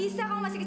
ibu jangan pergi